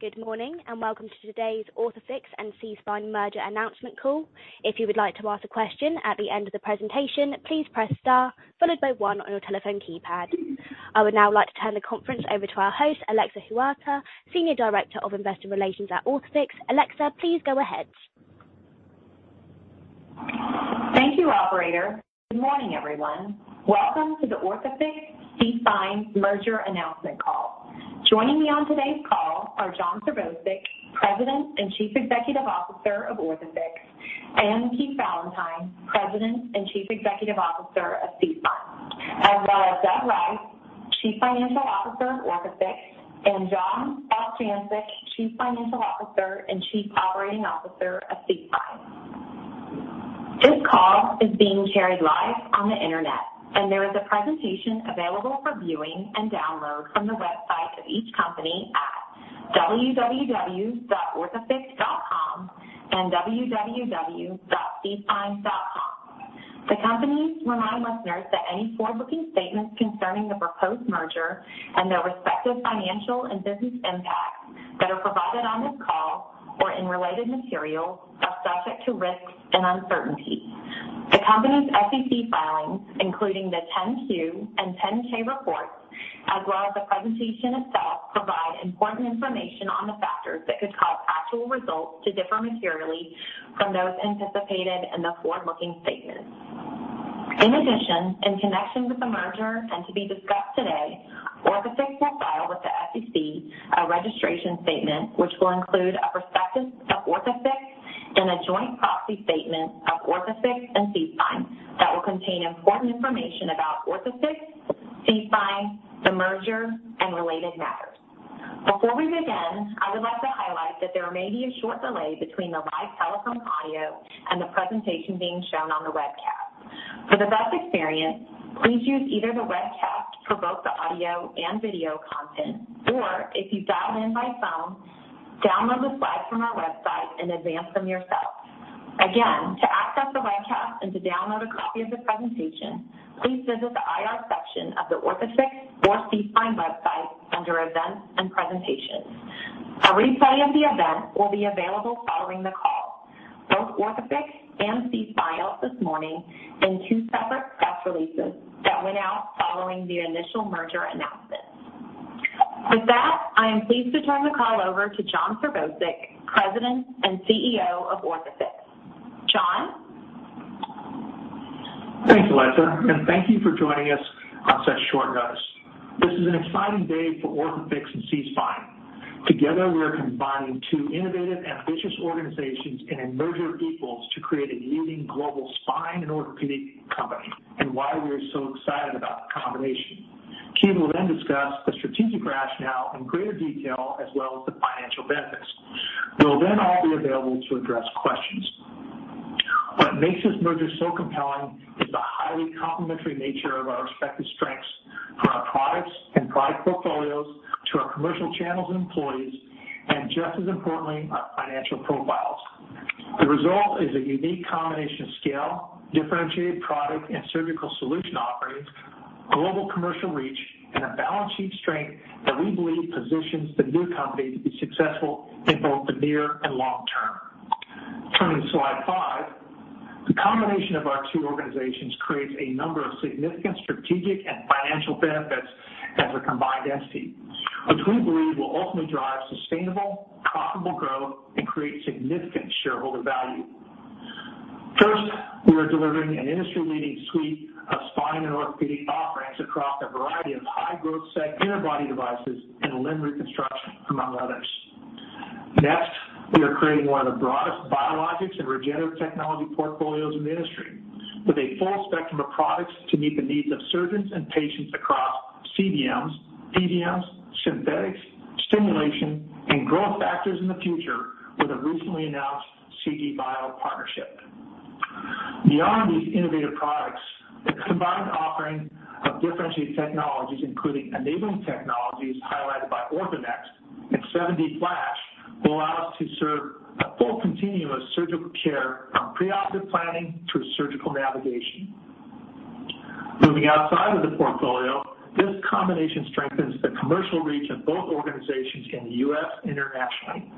Good morning, and welcome to today's Orthofix and SeaSpine merger announcement call. If you would like to ask a question at the end of the presentation, please press star followed by one on your telephone keypad. I would now like to turn the conference over to our host, Alexa Huerta, Senior Director of Investor Relations at Orthofix. Alexa, please go ahead. Thank you, operator. Good morning, everyone. Welcome to the Orthofix-SeaSpine merger announcement call. Joining me on today's call are Jon Serbousek, President and Chief Executive Officer of Orthofix, and Keith Valentine, President and Chief Executive Officer of SeaSpine, as well as Doug Rice, Chief Financial Officer of Orthofix, and Jon Bostjancic, Chief Financial Officer and Chief Operating Officer of SeaSpine. This call is being shared live on the Internet, and there is a presentation available for viewing and download from the website of each company at www.orthofix.com and www.seaspine.com. The companies remind listeners that any forward-looking statements concerning the proposed merger and their respective financial and business impacts that are provided on this call or in related materials are subject to risks and uncertainties. The company's SEC filings, including the 10-Q and 10-K reports, as well as the presentation itself, provide important information on the factors that could cause actual results to differ materially from those anticipated in the forward-looking statements. In addition, in connection with the merger and to be discussed today, Orthofix will file with the SEC a registration statement, which will include a prospectus of Orthofix and a joint proxy statement of Orthofix and SeaSpine that will contain important information about Orthofix, SeaSpine, the merger and related matters. Before we begin, I would like to highlight that there may be a short delay between the live telephone audio and the presentation being shown on the webcast. For the best experience, please use either the webcast for both the audio and video content, or if you dial in by phone, download the slides from our website and advance them yourself. Again, to access the webcast and to download a copy of the presentation, please visit the IR section of the Orthofix or SeaSpine website under Events and Presentations. A replay of the event will be available following the call. Both Orthofix and SeaSpine put out this morning in two separate press releases that went out following the initial merger announcement. With that, I am pleased to turn the call over to Jon Serbousek, President and CEO of Orthofix. John? Thanks, Alexa, and thank you for joining us on such short notice. This is an exciting day for Orthofix and SeaSpine. Together, we are combining two innovative and ambitious organizations in a merger of equals to create a leading global spine and orthopedic company. Why we are so excited about the combination. Keith will then discuss the strategic rationale in greater detail as well as the financial benefits. We'll then all be available to address questions. What makes this merger so compelling is the highly complementary nature of our respective strengths from our products and product portfolios to our commercial channels and employees, and just as importantly, our financial profiles. The result is a unique combination of scale, differentiated product and surgical solution offerings, global commercial reach, and a balance sheet strength that we believe positions the new company to be successful in both the near and long term. Turning to slide 5. The combination of our two organizations creates a number of significant strategic and financial benefits as a combined entity, which we believe will ultimately drive sustainable, profitable growth and create significant shareholder value. First, we are delivering an industry-leading suite of spine and orthopedic offerings across a variety of high-growth segments interbody devices and limb reconstruction, among others. Next, we are creating one of the broadest biologics and regenerative technology portfolios in the industry, with a full spectrum of products to meet the needs of surgeons and patients across CBMs, DBMs, synthetics, stimulation and growth factors in the future with a recently announced CGBio partnership. Beyond these innovative products, the combined offering of differentiated technologies, including enabling technologies highlighted by OrthoNext and 7D Flash, will allow us to serve a full continuum of surgical care from pre-operative planning through surgical navigation. Moving outside of the portfolio, this combination strengthens the commercial reach of both organizations in the U.S. internationally.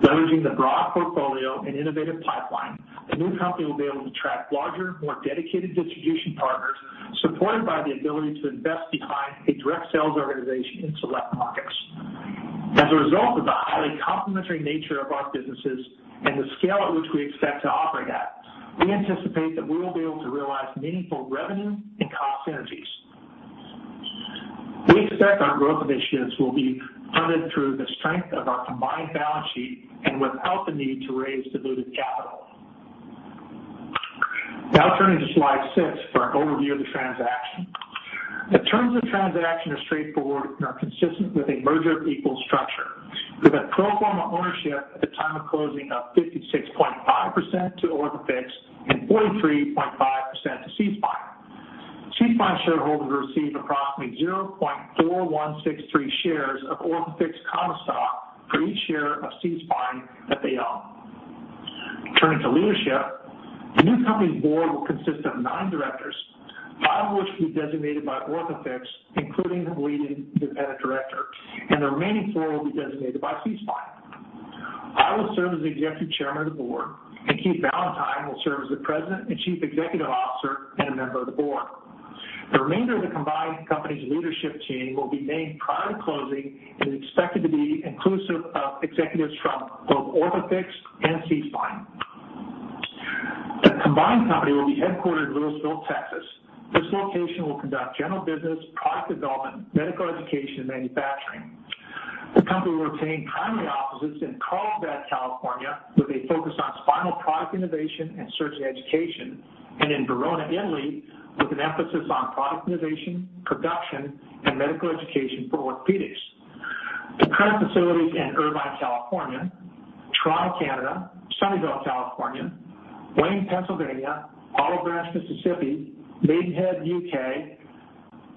Leveraging the broad portfolio and innovative pipeline, the new company will be able to attract larger, more dedicated distribution partners, supported by the ability to invest behind a direct sales organization in select markets. As a result of the highly complementary nature of our businesses and the scale at which we expect to operate at, we anticipate that we will be able to realize meaningful revenue and cost synergies. We expect our growth initiatives will be funded through the strength of our combined balance sheet and without the need to raise diluted capital. Now turning to slide six for an overview of the transaction. The terms of transaction are straightforward and are consistent with a merger of equal structure, with a pro forma ownership at the time of closing of 56.5% to Orthofix and 43.5% to SeaSpine. SeaSpine shareholders receive approximately 0.4163 shares of Orthofix common stock for each share of SeaSpine that they own. Turning to leadership. The new company's board will consist of nine directors, five of which will be designated by Orthofix, including the leading independent director, and the remaining four will be designated by SeaSpine. I will serve as Executive Chairman of the Board, and Keith Valentine will serve as the President and Chief Executive Officer and a member of the board. The remainder of the combined company's leadership team will be made prior to closing and is expected to be inclusive of executives from both Orthofix and SeaSpine. The combined company will be headquartered in Lewisville, Texas. This location will conduct general business, product development, medical education, and manufacturing. The company will retain primary offices in Carlsbad, California, with a focus on spinal product innovation and surgery education, and in Verona, Italy, with an emphasis on product innovation, production, and medical education for orthopedics. The current facilities in Irvine, California, Toronto, Canada, Sunnyvale, California, Wayne, Pennsylvania, Olive Branch, Mississippi, Maidenhead, U.K.,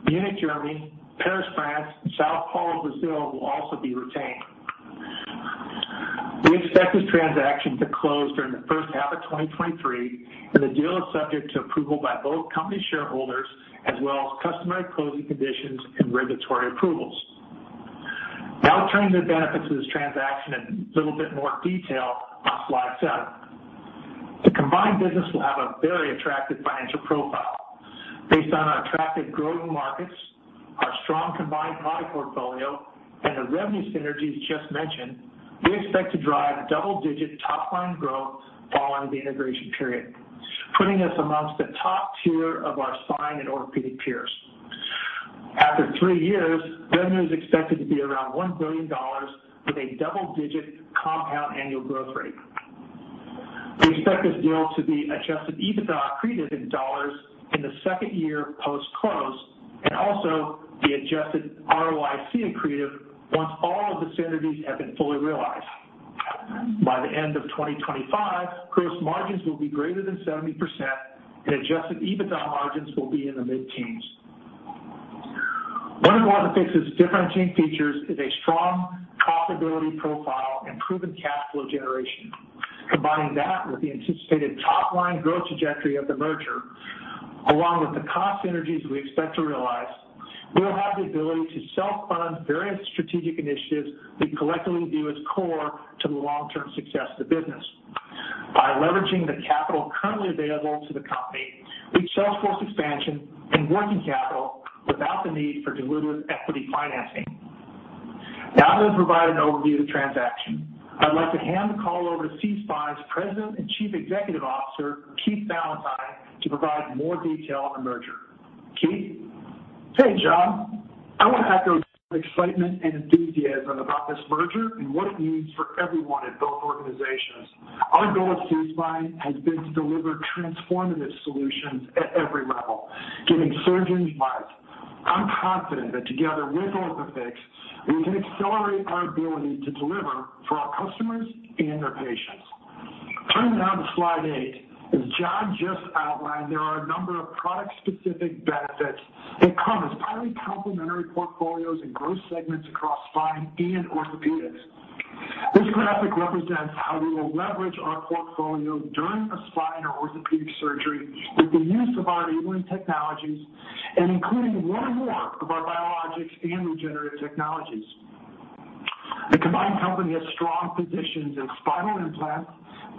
Munich, Germany, Paris, France, São Paulo, Brazil, will also be retained. We expect this transaction to close during the first half of 2023, and the deal is subject to approval by both company shareholders as well as customary closing conditions and regulatory approvals. Now turning to the benefits of this transaction in a little bit more detail on slide seven. The combined business will have a very attractive financial profile. Based on our attractive growth markets, our strong combined product portfolio, and the revenue synergies just mentioned, we expect to drive double-digit top line growth following the integration period, putting us among the top tier of our spine and orthopedic peers. After three years, revenue is expected to be around $1 billion with a double-digit compound annual growth rate. We expect this deal to be adjusted EBITDA accretive in dollars in the second year post-close and also be adjusted ROIC accretive once all of the synergies have been fully realized. By the end of 2025, gross margins will be greater than 70% and adjusted EBITDA margins will be in the mid-teens. One of Orthofix's differentiating features is a strong profitability profile and proven cash flow generation. Combining that with the anticipated top line growth trajectory of the merger, along with the cost synergies we expect to realize, we will have the ability to self-fund various strategic initiatives we collectively view as core to the long-term success of the business. By leveraging the capital currently available to the company, we self-fund expansion and working capital without the need for dilutive equity financing. Now that I've provided an overview of the transaction, I'd like to hand the call over to SeaSpine's President and Chief Executive Officer, Keith Valentine, to provide more detail on the merger. Keith? Hey, John. I want to echo the excitement and enthusiasm about this merger and what it means for everyone at both organizations. Our goal at SeaSpine has been to deliver transformative solutions at every level, giving surgeons life. I'm confident that together with Orthofix, we can accelerate our ability to deliver for our customers and their patients. Turning now to slide 8. As John just outlined, there are a number of product-specific benefits that come as highly complementary portfolios and growth segments across spine and orthopedics. This graphic represents how we will leverage our portfolio during a spine or orthopedic surgery with the use of our enabling technologies and including more and more of our biologics and regenerative technologies. The combined company has strong positions in spinal implants,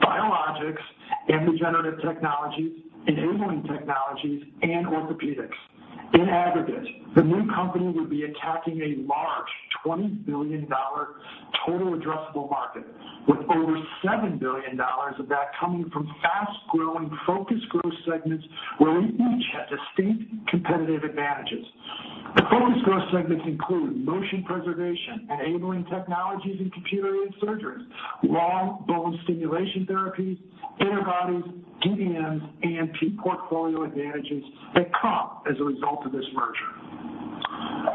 biologics and regenerative technologies, enabling technologies, and orthopedics. In aggregate, the new company would be attacking a large $20 billion total addressable market, with over $7 billion of that coming from fast-growing, focused growth segments where we each have distinct competitive advantages. The focused growth segments include motion preservation, enabling technologies in computer-aided surgery, long bone stimulation therapies, interbodies, DBMs, and portfolio advantages that come as a result of this merger.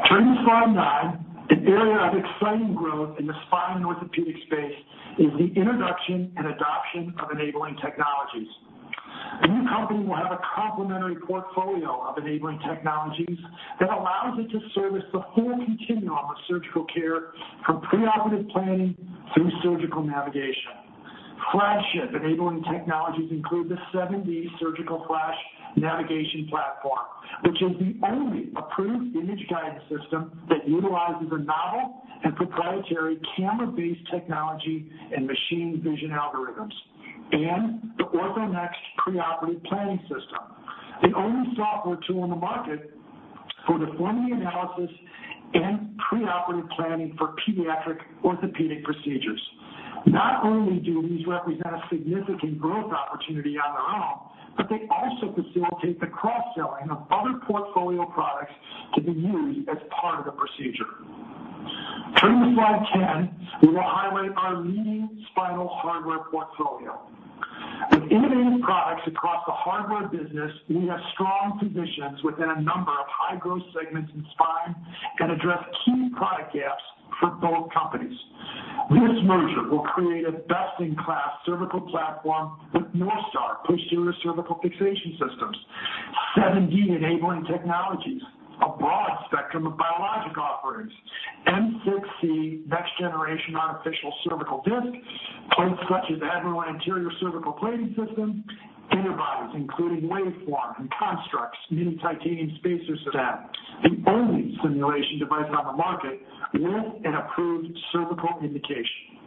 Turning to slide nine. An area of exciting growth in the spine and orthopedic space is the introduction and adoption of enabling technologies. The new company will have a complementary portfolio of enabling technologies that allows it to service the whole continuum of surgical care from preoperative planning through surgical navigation. Flagship enabling technologies include the 7D FLASH Navigation System, which is the only approved image guidance system that utilizes a novel and proprietary camera-based technology and machine vision algorithms. The OrthoNext preoperative planning system, the only software tool on the market for deformity analysis and preoperative planning for pediatric orthopedic procedures. Not only do these represent a significant growth opportunity on their own, but they also facilitate the cross-selling of other portfolio products to be used as part of the procedure. Turning to slide 10, we will highlight our leading spinal hardware portfolio. With innovative products across the hardware business, we have strong positions within a number of high-growth segments in spine and address key product gaps for both companies. This merger will create a best-in-class cervical platform with NorthStar Posterior Cervical Fixation systems, 7D enabling technologies, a broad spectrum of biologic offerings, M6-C next generation artificial cervical disc. Plates such as Admiral anterior cervical plating system. Interbodies including WaveForm, CONSTRUX, Mini Ti Spacer System. The only simulation device on the market with an approved cervical indication.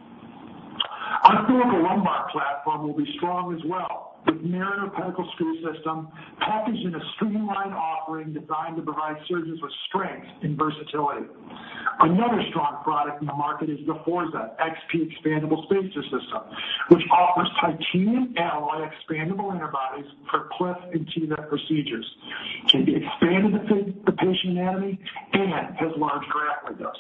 Our clinical lumbar platform will be strong as well with Mariner pedicle screw system packaged in a streamlined offering designed to provide surgeons with strength and versatility. Another strong product in the market is the FORZA XP expandable spacer system, which offers titanium alloy expandable interbodies for PLIF and TLIF procedures. Can be expanded to fit the patient anatomy and has large graft windows.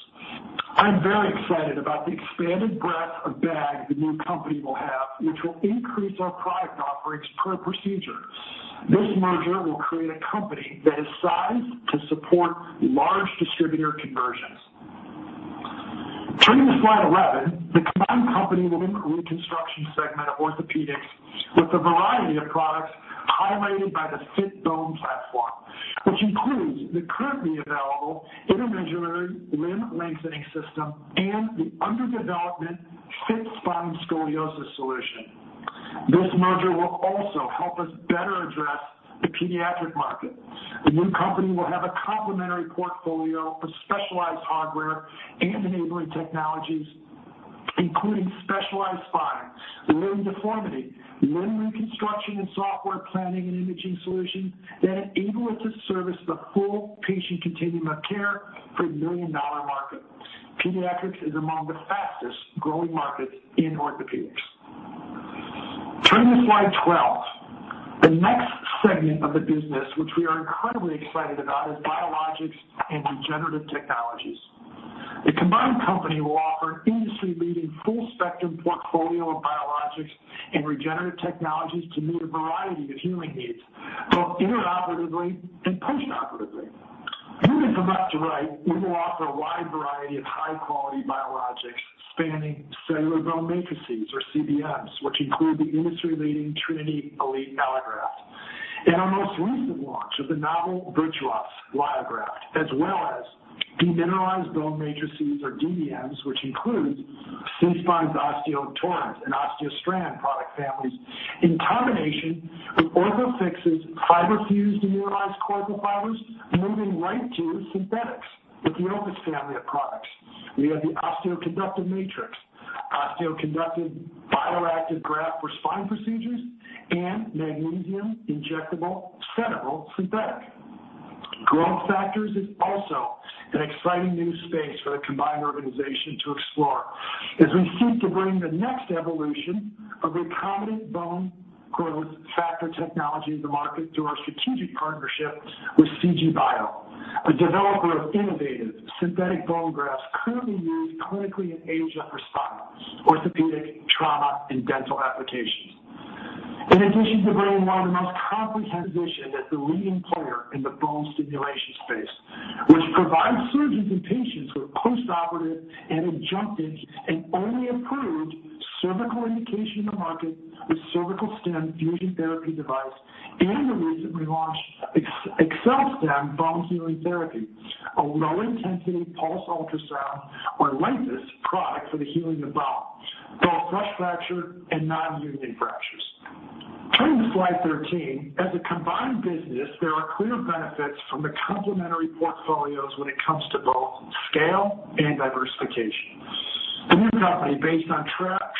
I'm very excited about the expanded breadth of bag the new company will have, which will increase our product offerings per procedure. This merger will create a company that is sized to support large distributor conversions. Turning to slide 11. The combined company will include CONSTRUX segment of orthopedics with a variety of products highlighted by the FITBONE platform, which includes the currently available intramedullary limb lengthening system and the under development FITSPINE scoliosis solution. This merger will also help us better address the pediatric market. The new company will have a complementary portfolio of specialized hardware and enabling technologies, including specialized spine, limb deformity, limb reconstruction and software planning and imaging solutions that enable it to service the full patient continuum of care for a million-dollar market. Pediatrics is among the fastest-growing markets in orthopedics. Turning to slide 12. The next segment of the business, which we are incredibly excited about, is biologics and regenerative technologies. The combined company will offer industry-leading full spectrum portfolio of biologics and regenerative technologies to meet a variety of healing needs, both intraoperatively and post-operatively. Moving from left to right, we will offer a wide variety of high-quality biologics spanning cellular bone matrices or CBMs, which include the industry-leading Trinity Elite allograft. Our most recent launch of the novel Virtuos Lyograft, as well as demineralized bone matrices or DBMs, which includes SeaSpine's OsteoTorrent and OsteoStrand product families. In combination with Orthofix's fiberFUSE mineralized collagen fibers, moving right to synthetics. With the Opus family of products, we have the osteoconductive matrix, osteoconductive bio-active graft for spine procedures, and magnesium injectable central synthetic. Growth factors is also an exciting new space for the combined organization to explore as we seek to bring the next evolution of recombinant bone growth factor technology to market through our strategic partnership with CGBio, a developer of innovative synthetic bone grafts currently used clinically in Asia for spine, orthopedic trauma and dental applications. In addition to bringing one of the most comprehensive position as the leading player in the bone stimulation space, which provides surgeons and patients with post-operative and adjunctive and only approved cervical indication in the market with CervicalStim fusion therapy device and the recently launched AccelStim Bone Healing Therapy, a LIPUS device for the healing of bone, both fresh fracture and non-union fractures. Turning to slide 13. As a combined business, there are clear benefits from the complementary portfolios when it comes to both scale and diversification. A new company based on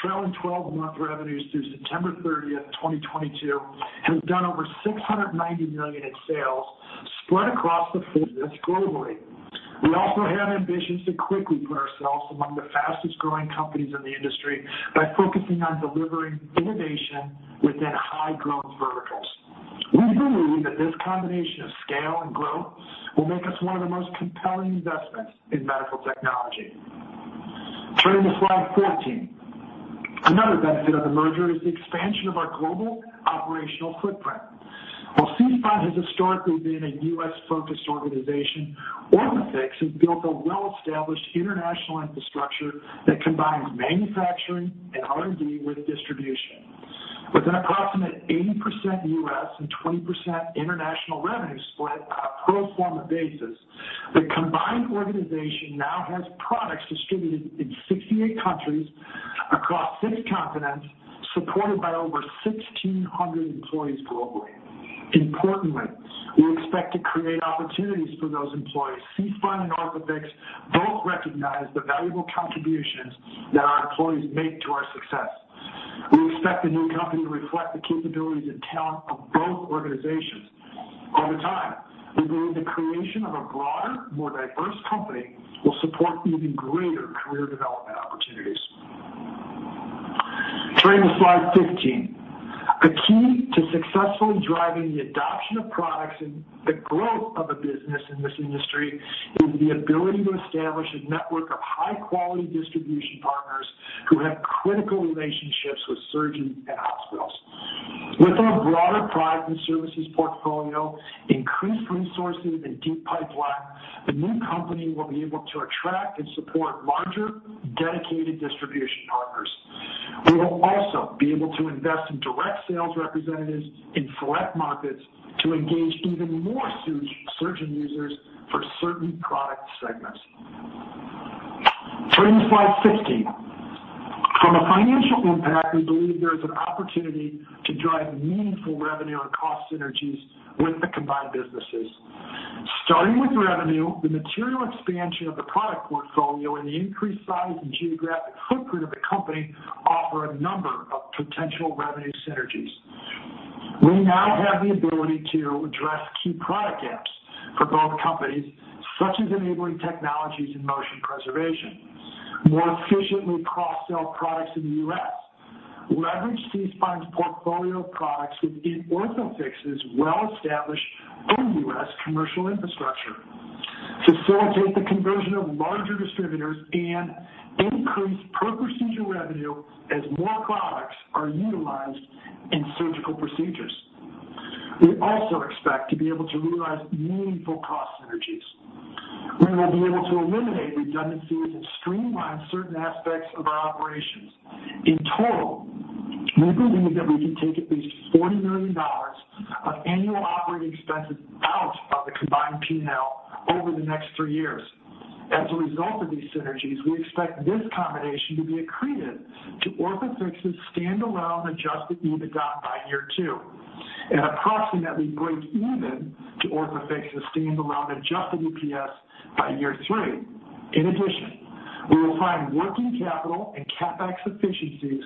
trailing twelve-month revenues through September 30, 2022, has done over $690 million in sales spread across the full business globally. We also have ambitions to quickly put ourselves among the fastest-growing companies in the industry by focusing on delivering innovation within high-growth verticals. We believe that this combination of scale and growth will make us one of the most compelling investments in medical technology. Turning to slide 14. Another benefit of the merger is the expansion of our global operational footprint. While SeaSpine has historically been a US-focused organization, Orthofix has built a well-established international infrastructure that combines manufacturing and R&D with distribution. With an approximate 80% US and 20% international revenue split on a pro forma basis, the combined organization now has products distributed in 68 countries across 6 continents, supported by over 1,600 employees globally. Importantly, we expect to create opportunities for those employees. SeaSpine and Orthofix both recognize the valuable contributions that our employees make to our success. We expect the new company to reflect the capabilities and talent of both organizations. Over time, we believe the creation of a broader, more diverse company will support even greater career development opportunities. Turning to slide 15. A key to successfully driving the adoption of products and the growth of a business in this industry is the ability to establish a network of high-quality distribution partners who have critical relationships with surgeons and hospitals. With our broader product and services portfolio, increased resources and deep pipeline, the new company will be able to attract and support larger dedicated distribution. We will also be able to invest in direct sales representatives in target markets to engage even more surgeon users for certain product segments. Turning to slide 15. From a financial impact, we believe there is an opportunity to drive meaningful revenue and cost synergies with the combined businesses. Starting with revenue, the material expansion of the product portfolio and the increased size and geographic footprint of the company offer a number of potential revenue synergies. We now have the ability to address key product gaps for both companies, such as enabling technologies in motion preservation. More efficiently cross-sell products in the U.S., leverage SeaSpine's portfolio of products within Orthofix's well-established OUS commercial infrastructure, facilitate the conversion of larger distributors and increase per procedure revenue as more products are utilized in surgical procedures. We also expect to be able to realize meaningful cost synergies. We will be able to eliminate redundancies and streamline certain aspects of our operations. In total, we believe that we can take at least $40 million of annual operating expenses out of the combined P&L over the next three years. As a result of these synergies, we expect this combination to be accretive to Orthofix's stand-alone adjusted EBITDA by year two, and approximately break even to Orthofix's stand-alone adjusted EPS by year three. In addition, we will find working capital and CapEx efficiencies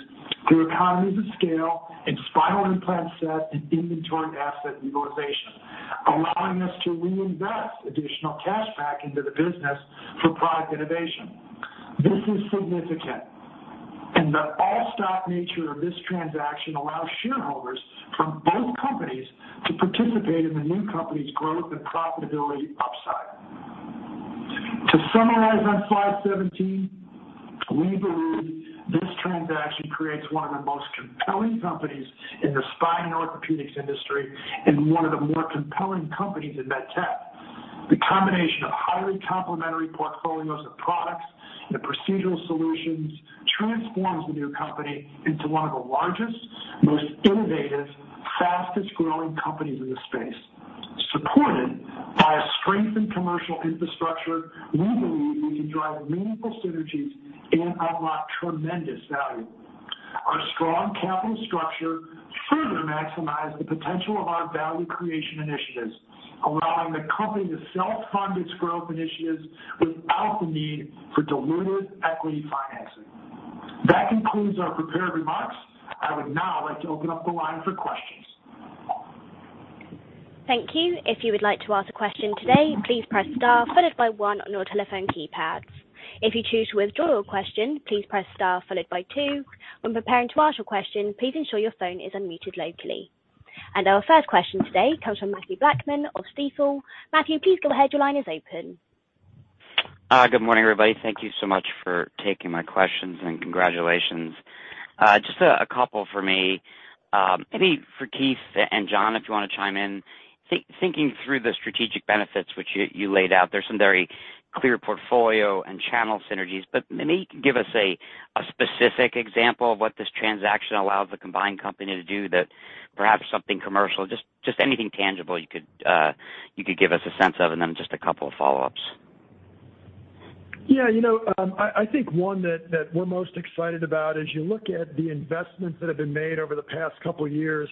through economies of scale and spinal implant set and inventory asset utilization, allowing us to reinvest additional cash back into the business for product innovation. This is significant, and the all-stock nature of this transaction allows shareholders from both companies to participate in the new company's growth and profitability upside. To summarize on slide 17, we believe this transaction creates one of the most compelling companies in the spine orthopedics industry and one of the more compelling companies in med tech. The combination of highly complementary portfolios of products and procedural solutions transforms the new company into one of the largest, most innovative, fastest-growing companies in the space. Supported by a strengthened commercial infrastructure, we believe we can drive meaningful synergies and unlock tremendous value. Our strong capital structure further maximize the potential of our value creation initiatives, allowing the company to self-fund its growth initiatives without the need for dilutive equity financing. That concludes our prepared remarks. I would now like to open up the line for questions. Thank you. If you would like to ask a question today, please press star followed by one on your telephone keypads. If you choose to withdraw your question, please press star followed by two. When preparing to ask your question, please ensure your phone is unmuted locally. Our first question today comes from Matthew Blackman of Stifel. Mathew, please go ahead. Your line is open. Good morning, everybody. Thank you so much for taking my questions and congratulations. Just a couple for me. Maybe for Keith and Jon, if you wanna chime in. Thinking through the strategic benefits which you laid out, there's some very clear portfolio and channel synergies, but maybe you can give us a specific example of what this transaction allows the combined company to do that perhaps something commercial, just anything tangible you could give us a sense of, and then just a couple of follow-ups. Yeah. You know, I think one that we're most excited about is you look at the investments that have been made over the past couple years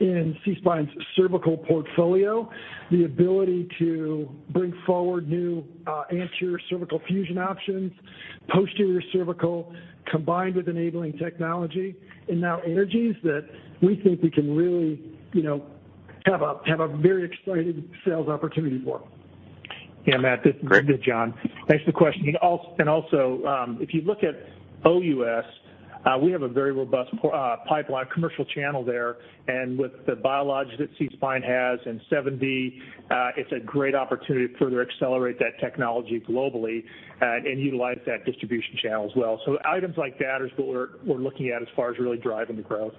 in SeaSpine's cervical portfolio, the ability to bring forward new anterior cervical fusion options, posterior cervical combined with enabling technology and new synergies that we think we can really, you know, have a very exciting sales opportunity for. Yeah, Matt, this is John. Thanks for the question. Also, if you look at OUS, we have a very robust pipeline commercial channel there. With the biologics that SeaSpine has and 7D, it's a great opportunity to further accelerate that technology globally and utilize that distribution channel as well. Items like that is what we're looking at as far as really driving the growth.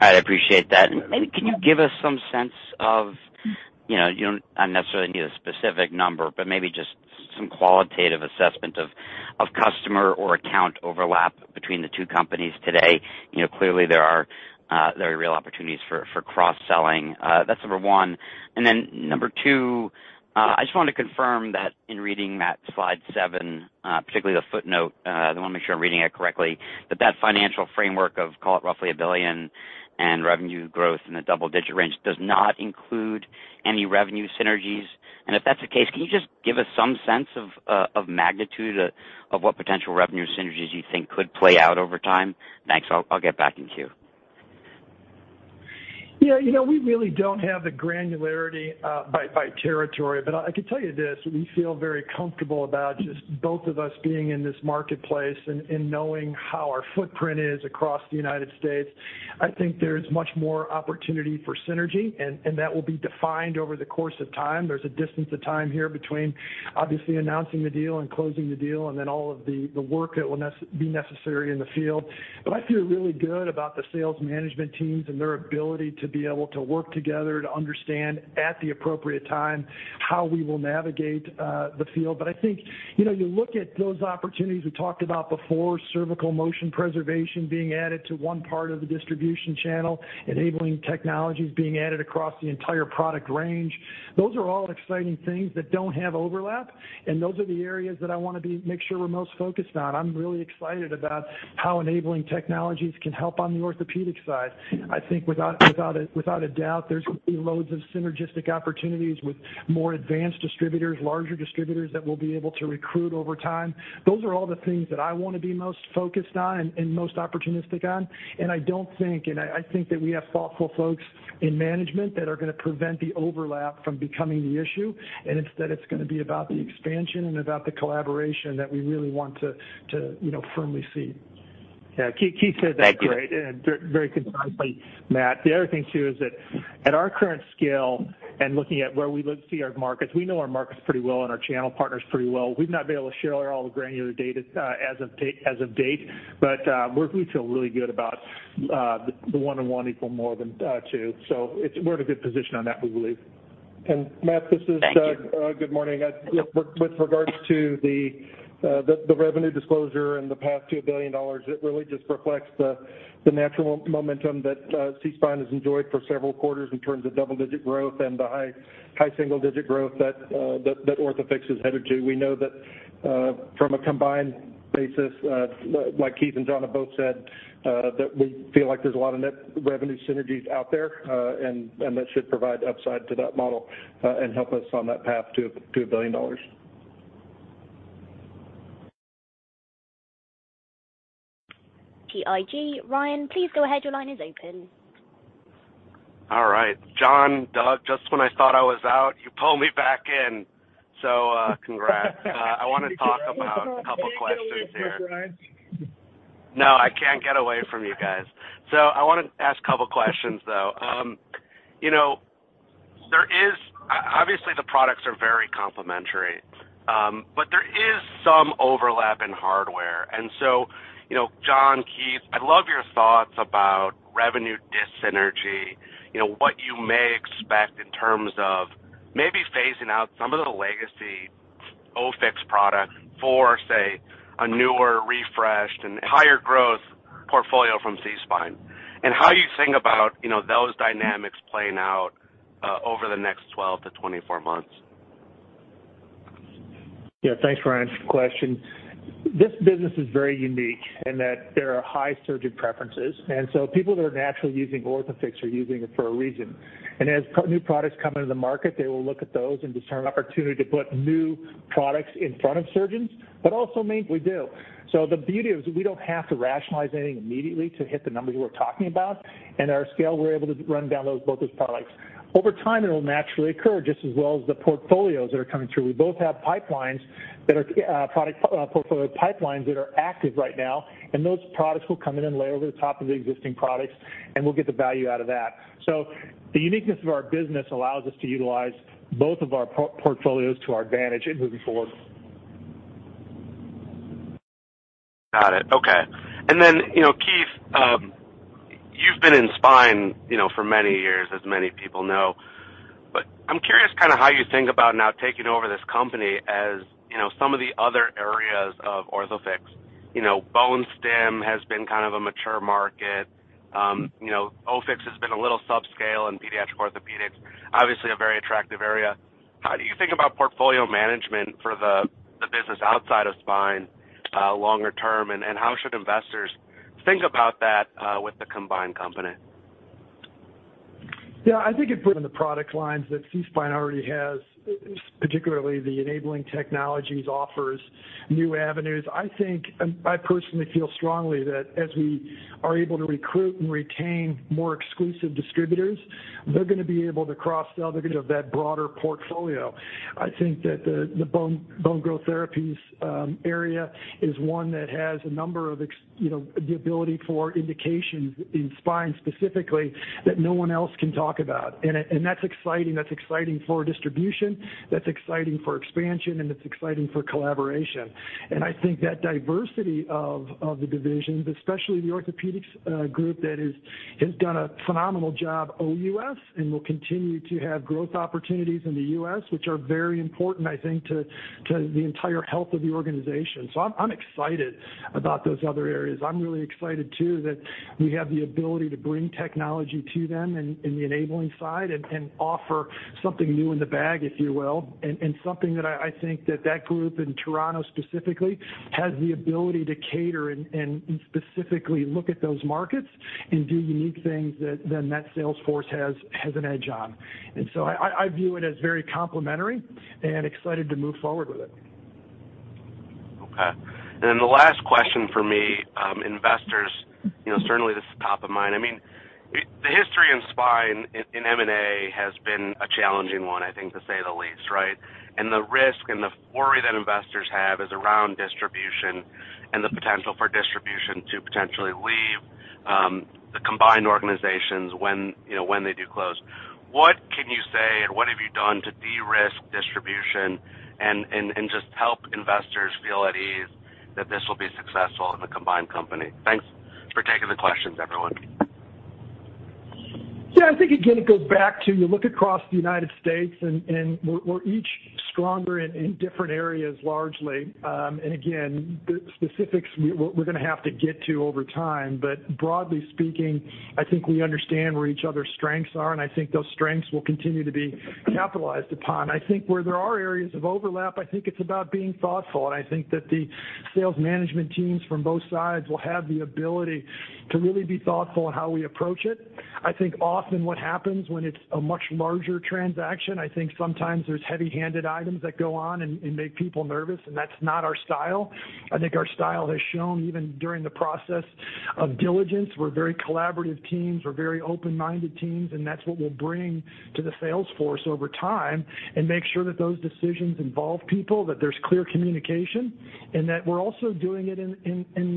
All right. I appreciate that. Maybe can you give us some sense of, you know, you don't necessarily need a specific number, but maybe just some qualitative assessment of customer or account overlap between the two companies today? You know, clearly there are very real opportunities for cross-selling. That's number one. Then number two, I just wanted to confirm that in reading that slide seven, particularly the footnote, I wanna make sure I'm reading it correctly, but that financial framework of call it roughly $1 billion and revenue growth in the double-digit range does not include any revenue synergies. If that's the case, can you just give us some sense of magnitude of what potential revenue synergies you think could play out over time? Thanks. I'll get back in queue. Yeah. You know, we really don't have the granularity by territory. I can tell you this, we feel very comfortable about just both of us being in this marketplace and knowing how our footprint is across the United States. I think there's much more opportunity for synergy and that will be defined over the course of time. There's a distance of time here between obviously announcing the deal and closing the deal and then all of the work that will be necessary in the field. I feel really good about the sales management teams and their ability to be able to work together to understand at the appropriate time how we will navigate the field. I think, you know, you look at those opportunities we talked about before, cervical motion preservation being added to one part of the distribution channel, enabling technologies being added across the entire product range. Those are all exciting things that don't have overlap, and those are the areas that I wanna make sure we're most focused on. I'm really excited about how enabling technologies can help on the orthopedic side. I think without a doubt, there's gonna be loads of synergistic opportunities with more advanced distributors, larger distributors that we'll be able to recruit over time. Those are all the things that I wanna be most focused on and most opportunistic on. I don't think, I think that we have thoughtful folks in management that are gonna prevent the overlap from becoming the issue. Instead, it's gonna be about the expansion and about the collaboration that we really want to, you know, firmly see. Yeah. Keith said that great and very concisely, Matt. The other thing too is that at our current scale and looking at where we look to see our markets, we know our markets pretty well and our channel partners pretty well. We've not been able to share all the granular data as of date, but we feel really good about the 1+1 equals more than 2. We're in a good position on that, we believe. Matt, Good morning. With regards to the revenue disclosure in the past, $2 billion, it really just reflects the natural momentum that SeaSpine has enjoyed for several quarters in terms of double-digit growth and the high single-digit growth that Orthofix is headed to. We know that from a combined basis, like Keith and John have both said, that we feel like there's a lot of net revenue synergies out there. That should provide upside to that model and help us on that path to $1 billion. BTIG. Ryan, please go ahead. Your line is open. All right. Jon, Doug, just when I thought I was out, you pull me back in. Congrats. I wanna talk about a couple questions here. Can't get away from us, Ryan. No, I can't get away from you guys. I wanna ask a couple questions, though. You know, there is obviously the products are very complementary. There is some overlap in hardware. You know, Jon, Keith, I'd love your thoughts about revenue dis-synergy. You know, what you may expect in terms of maybe phasing out some of the legacy Orthofix products for, say, a newer, refreshed, and higher growth portfolio from SeaSpine. How you think about, you know, those dynamics playing out over the next 12-24 months. Yeah. Thanks, Ryan, for the question. This business is very unique in that there are high surgeon preferences, and so people that are naturally using Orthofix are using it for a reason. As new products come into the market, they will look at those and determine opportunity to put new products in front of surgeons, but also means we do. The beauty is we don't have to rationalize anything immediately to hit the numbers we're talking about. At our scale, we're able to round out those, both those products. Over time, it'll naturally occur just as well as the portfolios that are coming through. We both have pipelines that are product portfolio pipelines that are active right now, and those products will come in and lay over the top of the existing products, and we'll get the value out of that. The uniqueness of our business allows us to utilize both of our portfolios to our advantage in moving forward. Got it. Okay. You know, Keith, you've been in Spine, you know, for many years, as many people know. I'm curious kinda how you think about now taking over this company as, you know, some of the other areas of Orthofix. You know, bone stim has been kind of a mature market. You know, Orthofix has been a little subscale in pediatric orthopedics, obviously a very attractive area. How do you think about portfolio management for the business outside of Spine longer term, and how should investors think about that with the combined company? Yeah. I think improving the product lines that SeaSpine already has, particularly the enabling technologies, offers new avenues. I think, and I personally feel strongly that as we are able to recruit and retain more exclusive distributors, they're gonna be able to cross-sell that broader portfolio. I think that the bone growth therapies area is one that has a number of you know, the ability for indications in spine specifically that no one else can talk about. That's exciting. That's exciting for distribution, that's exciting for expansion, and it's exciting for collaboration. I think that diversity of the divisions, especially the orthopedics group that has done a phenomenal job OUS and will continue to have growth opportunities in the US, which are very important, I think, to the entire health of the organization. I'm excited about those other areas. I'm really excited too that we have the ability to bring technology to them in the enabling side and offer something new in the bag, if you will. Something that I think that group in Toronto specifically has the ability to cater and specifically look at those markets and do unique things that that sales force has an edge on. I view it as very complementary and excited to move forward with it. Okay. The last question from me, investors, you know, certainly this is top of mind. I mean, the history in spine and M&A has been a challenging one, I think, to say the least, right? The risk and the worry that investors have is around distribution and the potential for distribution to potentially leave the combined organizations when, you know, when they do close. What can you say and what have you done to de-risk? Just help investors feel at ease that this will be successful in the combined company. Thanks for taking the questions, everyone. Yeah, I think, again, it goes back to you look across the United States and we're each stronger in different areas, largely. Again, the specifics we're gonna have to get to over time. Broadly speaking, I think we understand where each other's strengths are, and I think those strengths will continue to be capitalized upon. I think where there are areas of overlap, I think it's about being thoughtful. I think that the sales management teams from both sides will have the ability to really be thoughtful in how we approach it. I think often what happens when it's a much larger transaction, I think sometimes there's heavy-handed items that go on and make people nervous, and that's not our style. I think our style has shown even during the process of diligence, we're very collaborative teams, we're very open-minded teams, and that's what we'll bring to the sales force over time and make sure that those decisions involve people, that there's clear communication, and that we're also doing it in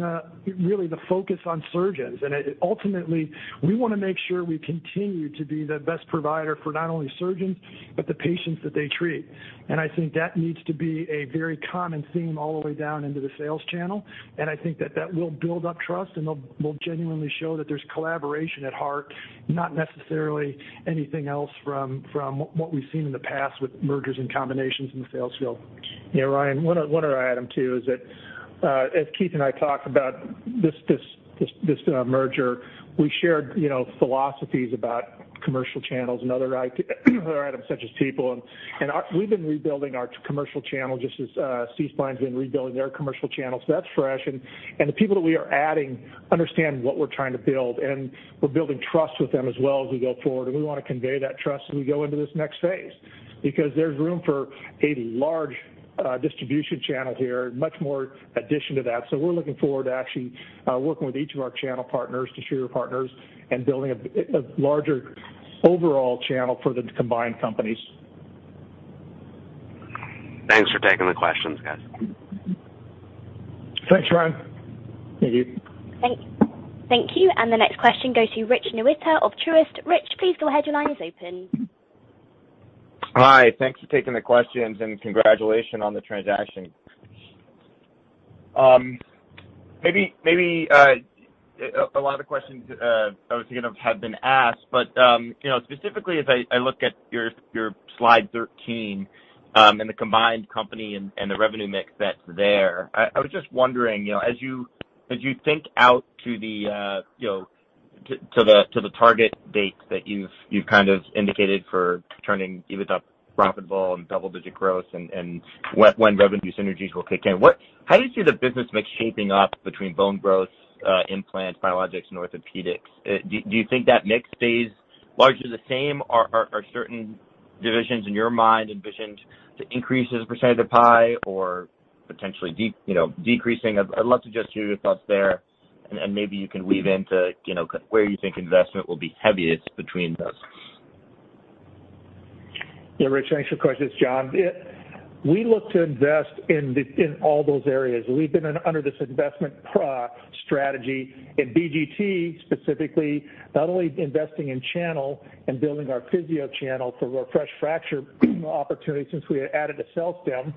really the focus on surgeons. Ultimately, we wanna make sure we continue to be the best provider for not only surgeons, but the patients that they treat. I think that needs to be a very common theme all the way down into the sales channel. I think that will build up trust, and we'll genuinely show that there's collaboration at heart, not necessarily anything else from what we've seen in the past with mergers and combinations in the sales field. Yeah, Ryan, one other item too is that, as Keith and I talked about this merger, we shared, you know, philosophies about commercial channels and other items such as people. We've been rebuilding our commercial channel just as SeaSpine's been rebuilding their commercial channel. That's fresh. The people that we are adding understand what we're trying to build, and we're building trust with them as well as we go forward. We wanna convey that trust as we go into this next phase because there's room for a large distribution channel here, much more addition to that. We're looking forward to actually working with each of our channel partners, distributor partners, and building a larger overall channel for the combined companies. Thanks for taking the questions, guys. Thanks, Ryan. Thank you. Thank you. The next question goes to Rich Newitter of Truist. Rich, please go ahead. Your line is open. Hi. Thanks for taking the questions, and congratulations on the transaction. Maybe a lot of questions I was thinking of have been asked, but you know, specifically as I look at your slide 13, and the combined company and the revenue mix that's there, I was just wondering, you know, as you think out to the target date that you've kind of indicated for turning EBITDA profitable and double-digit growth, and when revenue synergies will kick in, what, how do you see the business mix shaping up between bone growths, implants, biologics and orthopedics? Do you think that mix stays largely the same or certain divisions in your mind envisioned to increase as a percentage of pie or potentially decreasing? I'd love to just hear your thoughts there and maybe you can weave into, you know, where you think investment will be heaviest between those. Yeah, Rich, thanks for the question. It's John. We look to invest in all those areas. We've been under this investment strategy in BGT, specifically, not only investing in channel and building our physio channel for fresh fracture opportunities since we added AccelStim,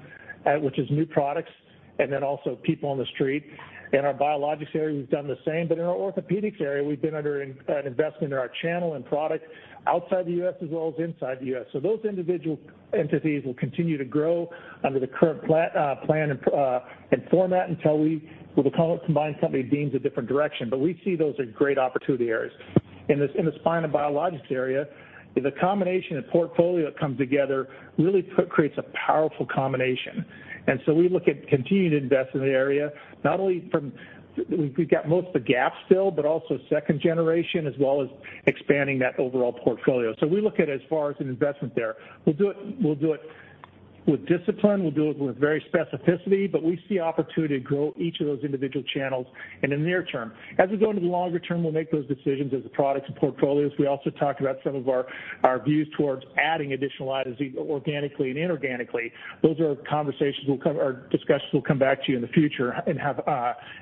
which is new products, and then also people on the street. In our biologics area, we've done the same. In our orthopedics area we've been under an investment in our channel and product outside the US as well as inside the US. Those individual entities will continue to grow under the current plan and format until we, well, the combined company deems a different direction. We see those are great opportunity areas. In the spine and biologics area, the combination of portfolio that comes together really creates a powerful combination. We look at continuing to invest in the area. We've got most of the gaps filled, but also second generation as well as expanding that overall portfolio. We look at as far as an investment there. We'll do it with discipline, with very specificity, but we see opportunity to grow each of those individual channels in the near term. As we go into the longer term, we'll make those decisions as the products and portfolios. We also talked about some of our views towards adding additional items organically and inorganically. Those are conversations we'll cover or discussions we'll come back to you in the future and have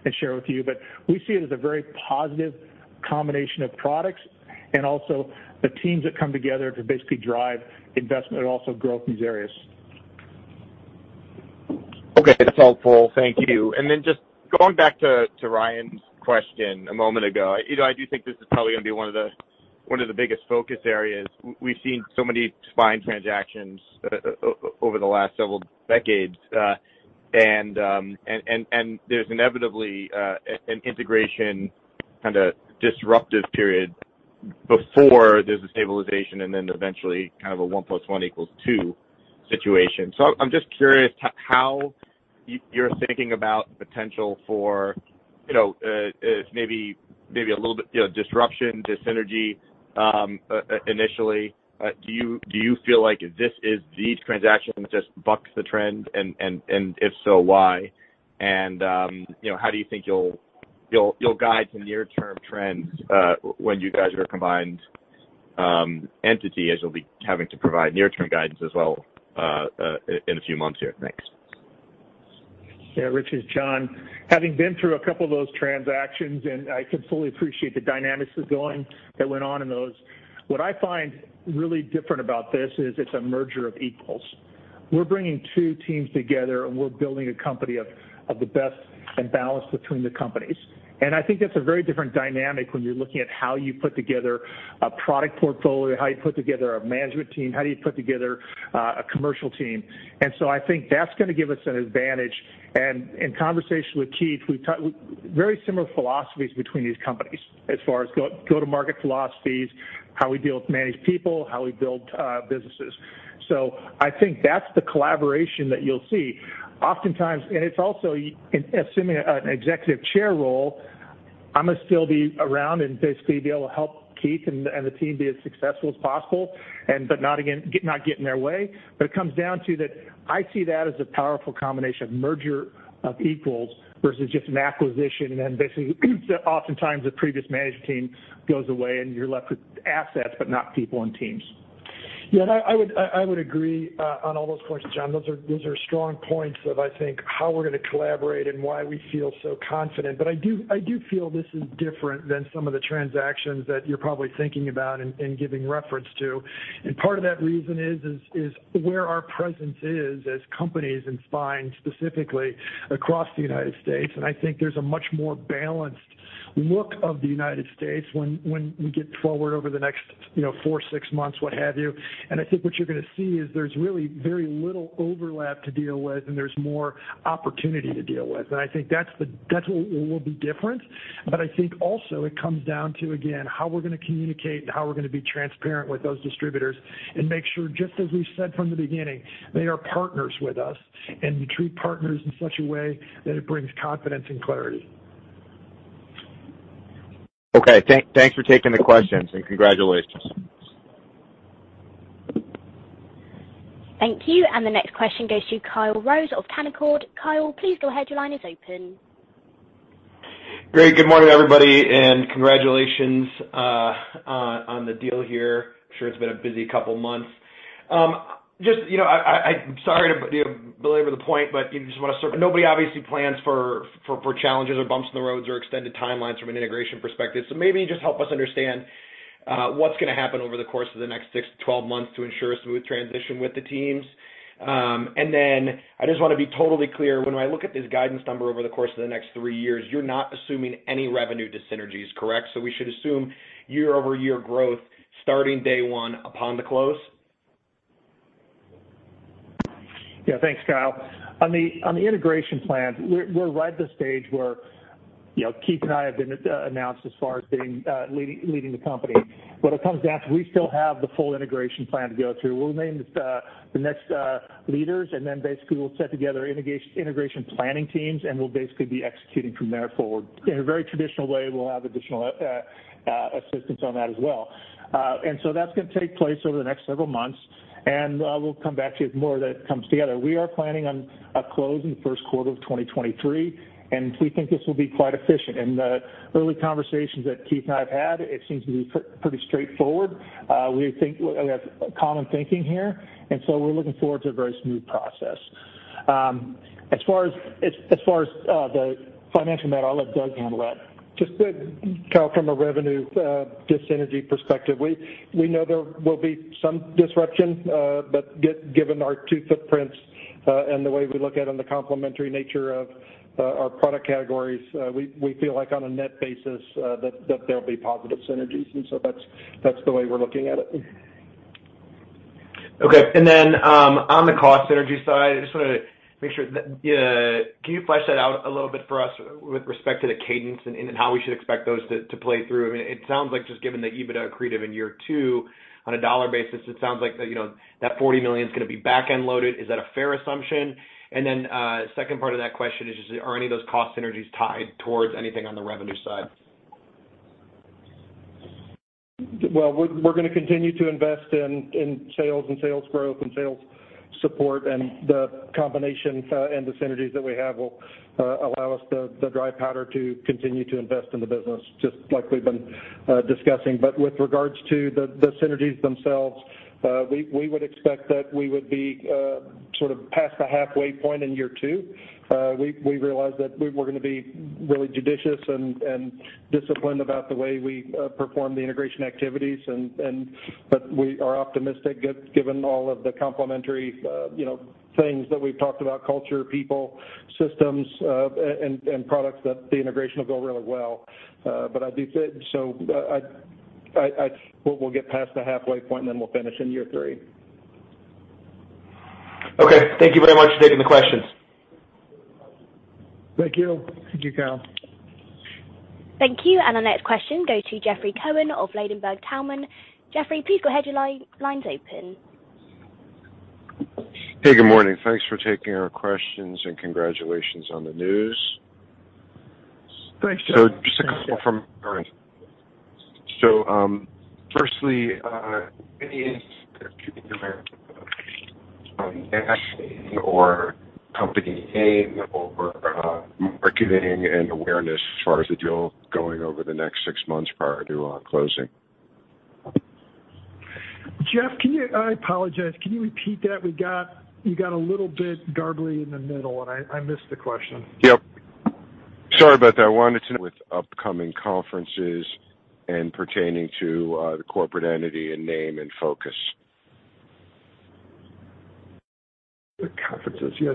and share with you. We see it as a very positive combination of products and also the teams that come together to basically drive investment and also growth in these areas. Okay. That's helpful. Thank you. Just going back to Ryan's question a moment ago. You know, I do think this is probably gonna be one of the biggest focus areas. We've seen so many spine transactions over the last several decades. There's inevitably an integration kind of disruptive period before there's a stabilization and then eventually kind of a one plus one equals two situation. I'm just curious how you're thinking about potential for, you know, maybe a little bit, you know, disruption, dyssynergy initially. Do you feel like this is the transaction that just bucks the trend? If so, why? You know, how do you think you'll guide the near-term trends in a few months here? Thanks. Yeah, Rich Newitter, it's Jon Serbousek. Having been through a couple of those transactions. I can fully appreciate the dynamics that went on in those. What I find really different about this is it's a merger of equals. We're bringing two teams together, and we're building a company of the best and balance between the companies. I think that's a very different dynamic when you're looking at how you put together a product portfolio, how you put together a management team, how do you put together a commercial team. I think that's gonna give us an advantage. In conversation with Keith Valentine, we have very similar philosophies between these companies as far as go-to-market philosophies, how we manage people, how we build businesses. I think that's the collaboration that you'll see. Oftentimes it's also, in assuming an executive chair role, I'm gonna still be around and basically be able to help Keith and the team be as successful as possible and but not get in their way. It comes down to that I see that as a powerful combination of merger of equals versus just an acquisition. Then basically, oftentimes the previous managed team goes away and you're left with assets, but not people and teams. Yeah. I would agree on all those points, Jon. Those are strong points of, I think, how we're gonna collaborate and why we feel so confident. I do feel this is different than some of the transactions that you're probably thinking about and giving reference to. Part of that reason is where our presence is as companies and spine specifically across the United States. I think there's a much more balanced look of the United States when we get forward over the next, you know, 4-6 months, what have you. I think what you're gonna see is there's really very little overlap to deal with, and there's more opportunity to deal with. I think that's what will be different. I think also it comes down to, again, how we're gonna communicate and how we're gonna be transparent with those distributors and make sure, just as we've said from the beginning, they are partners with us and we treat partners in such a way that it brings confidence and clarity. Okay. Thanks for taking the questions, and congratulations. Thank you. The next question goes to Kyle Rose of Canaccord. Kyle, please go ahead. Your line is open. Great. Good morning, everybody, and congratulations on the deal here. I'm sure it's been a busy couple months. Just, you know, I'm sorry to belabor the point, but, you know, just wanna start. Nobody obviously plans for challenges or bumps in the roads or extended timelines from an integration perspective. Maybe just help us understand what's gonna happen over the course of the next six to 12 months to ensure a smooth transition with the teams. I just wanna be totally clear, when I look at this guidance number over the course of the next three years, you're not assuming any revenue dissynergies, correct? We should assume year-over-year growth starting day one upon the close. Yeah. Thanks, Kyle. On the integration plan, we're right at the stage where, you know, Keith and I have been announced as far as being leading the company. What it comes down to, we still have the full integration plan to go through. We'll name the next leaders, and then basically we'll set together integration planning teams, and we'll basically be executing from there forward. In a very traditional way, we'll have additional assistance on that as well. That's gonna take place over the next several months, and we'll come back to you as more of that comes together. We are planning on a close in the first quarter of 2023, and we think this will be quite efficient. In the early conversations that Keith and I have had, it seems to be pretty straightforward. We think we have a common thinking here, and so we're looking forward to a very smooth process. As far as the financial model, I'll let Doug handle that. Just to, Kyle, from a revenue dis-synergy perspective, we know there will be some disruption, but given our two footprints, and the way we look at it on the complementary nature of our product categories, we feel like on a net basis, that there'll be positive synergies. That's the way we're looking at it. Okay. On the cost synergy side, I just wanna make sure that can you flesh that out a little bit for us with respect to the cadence and how we should expect those to play through? I mean, it sounds like just given the EBITDA accretive in year two on a dollar basis, it sounds like, you know, that $40 million is gonna be back-end loaded. Is that a fair assumption? Second part of that question is just, are any of those cost synergies tied towards anything on the revenue side? We're gonna continue to invest in sales and sales growth and sales support. The combination and the synergies that we have will allow us the dry powder to continue to invest in the business, just like we've been discussing. With regards to the synergies themselves, we would expect that we would be sort of past the halfway point in year two. We realized that we were gonna be really judicious and disciplined about the way we perform the integration activities and but we are optimistic given all of the complementary, you know, things that we've talked about, culture, people, systems, and products that the integration will go really well. I do think we'll get past the halfway point, and then we'll finish in year three. Okay. Thank you very much for taking the questions. Thank you. Thank you, Kyle. Thank you. Our next question goes to Jeffrey Cohen of Ladenburg Thalmann. Jeffrey, please go ahead. Your line's open. Hey, good morning. Thanks for taking our questions and congratulations on the news. Thanks, Jeff. Just a couple from current. Firstly, any or company A over, marketing and awareness as far as the deal going over the next six months prior to closing? Jeff, I apologize, can you repeat that? You got a little bit garbled in the middle, and I missed the question. Yep. Sorry about that. I wanted to know, with upcoming conferences and pertaining to the corporate entity and name and focus. The conferences, yes.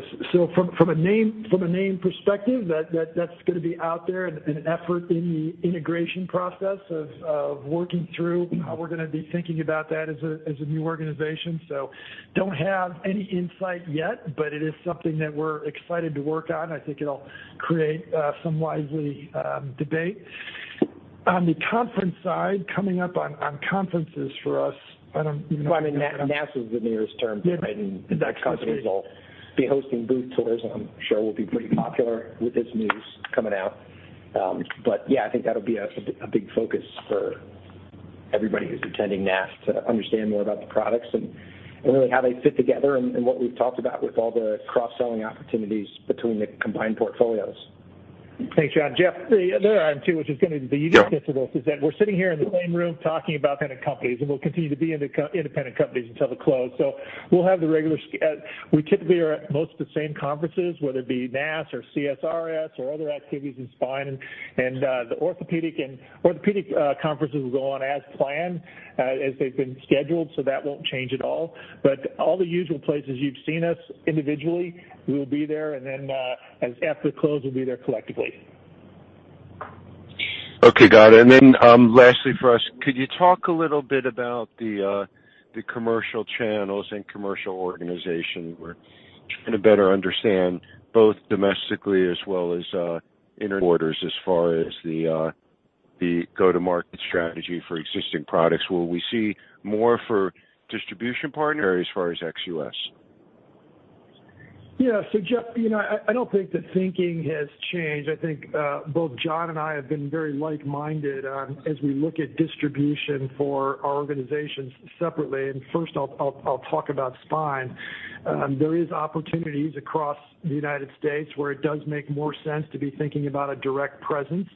From a name perspective, that's gonna be out there and effort in the integration process of working through how we're gonna be thinking about that as a new organization. Don't have any insight yet, but it is something that we're excited to work on. I think it'll create some lively debate. On the conference side, coming up on conferences for us. Well, I mean, NASS is the nearest term. Yeah. The next conference will be hosting booth tours, and I'm sure we'll be pretty popular with this news coming out. Yeah, I think that'll be a big focus for everybody who's attending NASS to understand more about the products and really how they fit together and what we've talked about with all the cross-selling opportunities between the combined portfolios. Thanks, Jon. Jeff, the other item too, which is gonna be. Yeah. Unique to this is that we're sitting here in the same room talking about kind of companies, and we'll continue to be independent companies until the close. We'll have the regular schedule. We typically are at most of the same conferences, whether it be NASS or CSRS or other activities in spine and orthopedic conferences will go on as planned, as they've been scheduled, so that won't change at all. All the usual places you've seen us individually, we'll be there, and then after the close we'll be there collectively. Okay, got it. Lastly for us, could you talk a little bit about the commercial channels and commercial organization? We're trying to better understand both domestically as well as abroad as far as the go-to-market strategy for existing products. Will we see more for distribution partners as far as ex-US? Yeah. Jeff, you know, I don't think the thinking has changed. I think both John and I have been very like-minded on as we look at distribution for our organizations separately, and first I'll talk about spine. There are opportunities across the United States where it does make more sense to be thinking about a direct presence,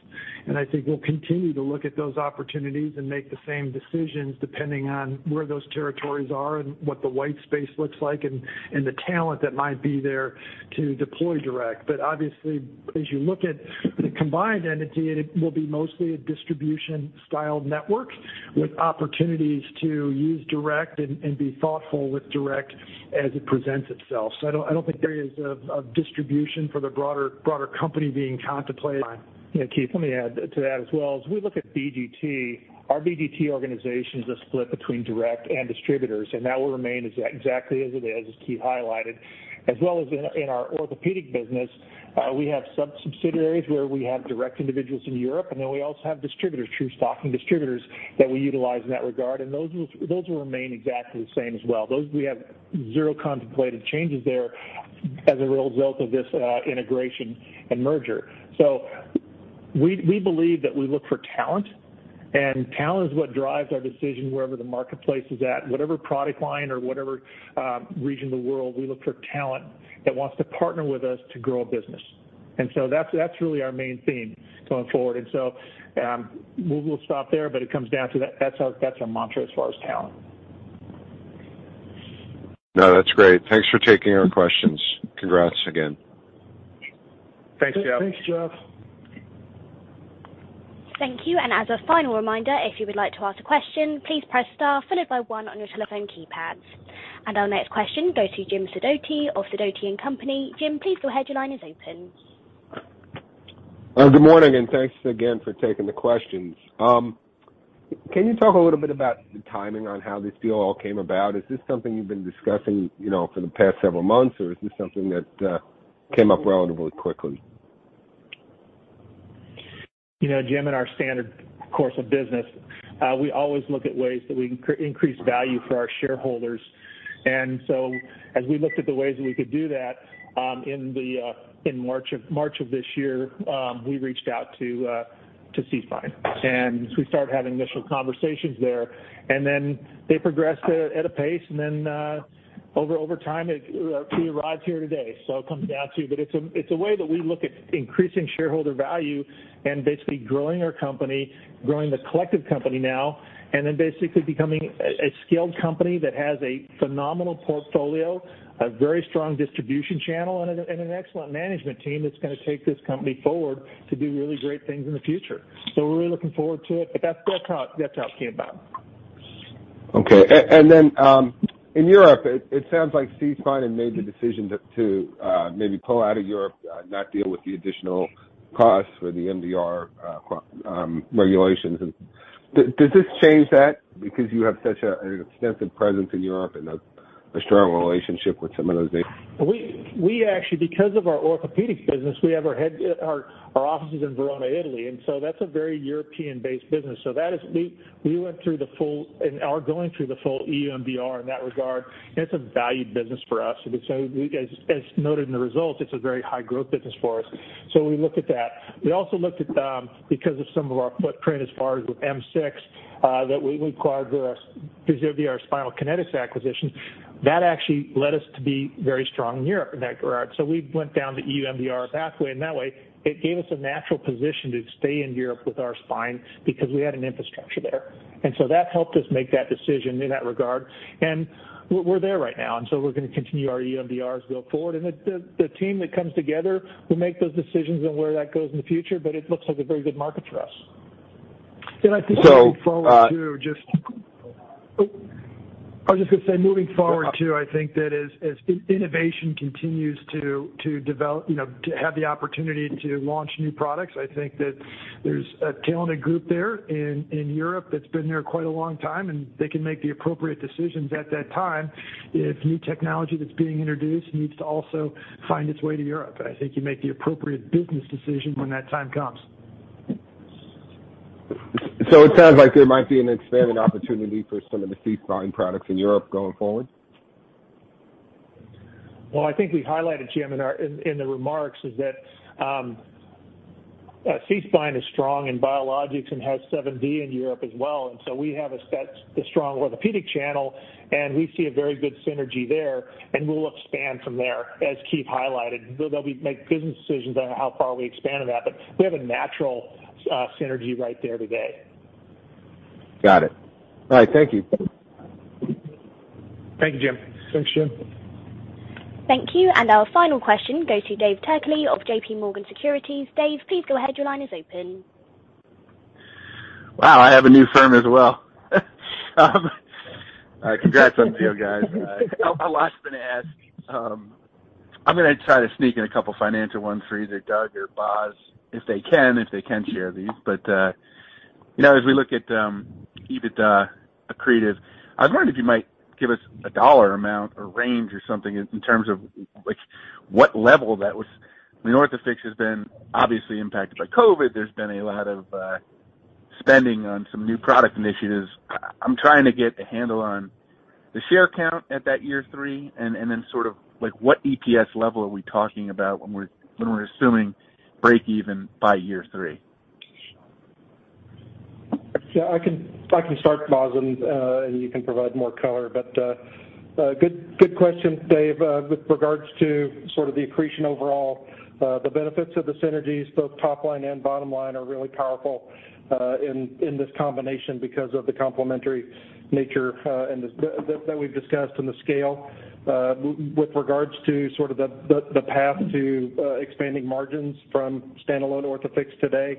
and I think we'll continue to look at those opportunities and make the same decisions depending on where those territories are and what the white space looks like and the talent that might be there to deploy direct. Obviously, as you look at the combined entity, it will be mostly a distribution style network with opportunities to use direct and be thoughtful with direct as it presents itself. I don't think there is a distribution for the broader company being contemplated. Yeah, Keith, let me add to that as well. As we look at BGT, our BGT organization is a split between direct and distributors, and that will remain exactly as it is, as Keith highlighted. As well as in our orthopedic business, we have some subsidiaries where we have direct individuals in Europe, and then we also have distributors, true stocking distributors that we utilize in that regard, and those will remain exactly the same as well. Those we have zero contemplated changes there as a result of this integration and merger. We believe that we look for talent, and talent is what drives our decision wherever the marketplace is at. Whatever product line or whatever, region of the world, we look for talent that wants to partner with us to grow a business. That's really our main theme going forward. We'll stop there, but it comes down to that. That's our mantra as far as talent. No, that's great. Thanks for taking our questions. Congrats again. Thanks, Jeff. Thank you, and as a final reminder, if you would like to ask a question, please press star followed by one on your telephone keypads. Our next question goes to Jim Sidoti of Sidoti & Company. Jim, please go ahead, your line is open. Good morning and thanks again for taking the questions. Can you talk a little bit about the timing on how this deal all came about? Is this something you've been discussing, you know, for the past several months, or is this something that came up relatively quickly? You know, Jim, in our standard course of business, we always look at ways that we can increase value for our shareholders. As we looked at the ways that we could do that, in March of this year, we reached out to SeaSpine. We started having initial conversations there. They progressed at a pace and then, over time, we arrived here today. It comes down to. It's a way that we look at increasing shareholder value and basically growing our company, growing the collective company now, and then basically becoming a scaled company that has a phenomenal portfolio, a very strong distribution channel, and an excellent management team that's gonna take this company forward to do really great things in the future. We're really looking forward to it. That's how it came about. Okay. In Europe it sounds like SeaSpine had made the decision to maybe pull out of Europe, not deal with the additional costs for the MDR regulations. Does this change that? Because you have such an extensive presence in Europe and a strong relationship with some of those nations. We actually, because of our orthopedic business, we have our head offices in Verona, Italy, and that's a very European-based business. We went through the full and are going through the full EU MDR in that regard, and it's a valued business for us. As noted in the results, it's a very high growth business for us. We looked at that. We also looked at because of some of our footprint as far as with M6, that we acquired via our Spinal Kinetics acquisition, that actually led us to be very strong in Europe in that regard. We went down the EU MDR pathway, and that way it gave us a natural position to stay in Europe with our spine because we had an infrastructure there. That helped us make that decision in that regard. We're there right now, and so we're gonna continue our EU MDR as we go forward. The team that comes together will make those decisions on where that goes in the future, but it looks like a very good market for us. I think moving forward too, I think that as innovation continues to develop, you know, to have the opportunity to launch new products, I think that there's a talented group there in Europe that's been there quite a long time, and they can make the appropriate decisions at that time if new technology that's being introduced needs to also find its way to Europe. I think you make the appropriate business decision when that time comes. It sounds like there might be an expanding opportunity for some of the Spine products in Europe going forward? Well, I think we highlighted, Jim, in our remarks is that SeaSpine is strong in biologics and has 7D in Europe as well. We have a strong orthopedic channel, and we see a very good synergy there, and we'll expand from there, as Keith highlighted. We'll make business decisions on how far we expand on that, but we have a natural synergy right there today. Got it. All right, thank you. Thank you, Jim. Thanks, Jim. Thank you. Our final question goes to Dave Turkaly of JMP Securities. Dave, please go ahead. Your line is open. Wow, I have a new firm as well. Congrats to you guys. A lot's been asked. I'm gonna try to sneak in a couple financial ones for either Doug Rice or John Bostjancic if they can share these. You know, as we look at EBITDA accretive, I was wondering if you might give us a dollar amount or range or something in terms of like what level that was. I mean, Orthofix has been obviously impacted by COVID. There's been a lot of spending on some new product initiatives. I'm trying to get a handle on the share count at that year three and then sort of like what EPS level are we talking about when we're assuming break even by year three. I can start, John Bostjancic, and you can provide more color. Good question, Dave Turkaly. With regards to sort of the accretion overall, the benefits of the synergies, both top line and bottom line are really powerful in this combination because of the complementary nature and that we've discussed and the scale. With regards to sort of the path to expanding margins from standalone Orthofix today,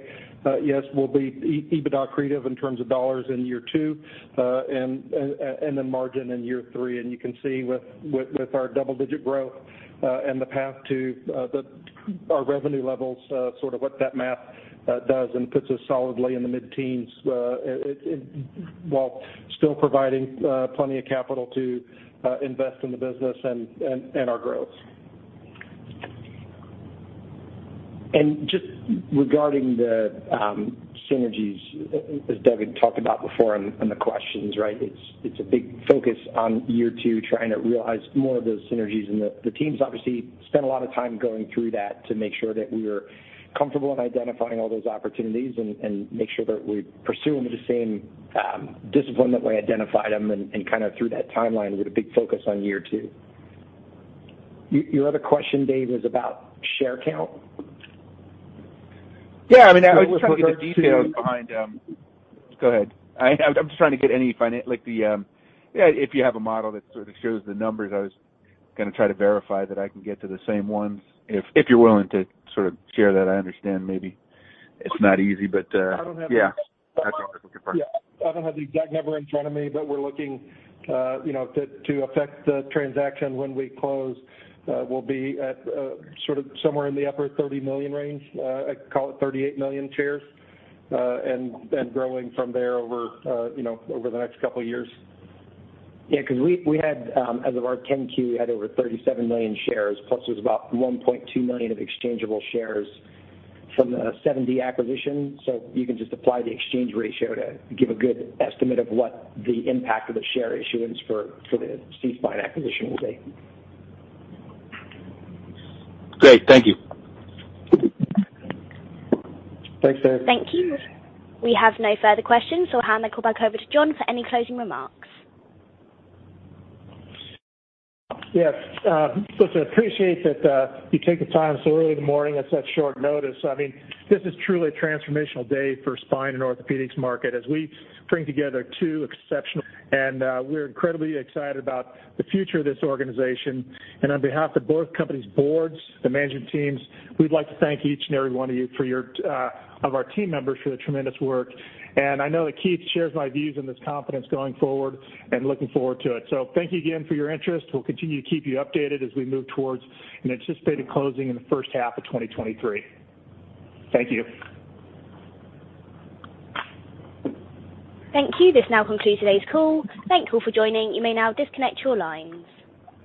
yes, we'll be EBITDA accretive in terms of dollars in year two, and then margin in year three. You can see with our double-digit% growth and the path to our revenue levels, sort of what that math does and puts us solidly in the mid-teens%, while still providing plenty of capital to invest in the business and our growth. Just regarding the synergies as Doug had talked about before in the questions, right? It's a big focus on year two, trying to realize more of those synergies. The teams obviously spent a lot of time going through that to make sure that we're comfortable in identifying all those opportunities and make sure that we pursue them with the same discipline that we identified them and kind of through that timeline with a big focus on year two. Your other question, Dave, was about share count? Yeah, I mean, I was just looking at the details behind. Go ahead. I'm just trying to get any financial model if you have a model that sort of shows the numbers. I was gonna try to verify that I can get to the same ones if you're willing to sort of share that. I understand maybe it's not easy, but yeah. I don't have the. That's all I was looking for. Yeah. I don't have the exact number in front of me, but we're looking, you know, to effect the transaction when we close, we'll be at, sort of somewhere in the upper 30 million range, call it 38 million shares, and growing from there over, you know, over the next couple of years. 'Cause as of our 10-Q, we had over 37 million shares, plus there's about 1.2 million of exchangeable shares from the 7D acquisition. You can just apply the exchange ratio to give a good estimate of what the impact of the share issuance for the SeaSpine acquisition will be. Great. Thank you. Thanks, Dave. Thank you. We have no further questions, so I'll hand the call back over to John for any closing remarks. Yes. Listen, I appreciate that you take the time so early in the morning at such short notice. I mean, this is truly a transformational day for the spine and orthopedics market as we bring together two exceptional companies, and we're incredibly excited about the future of this organization. On behalf of both companies' boards, the management teams, we'd like to thank each and every one of you and our team members for the tremendous work. I know that Keith shares my views and this confidence going forward and looking forward to it. Thank you again for your interest. We'll continue to keep you updated as we move towards an anticipated closing in the first half of 2023. Thank you. Thank you. This now concludes today's call. Thank you for joining. You may now disconnect your lines.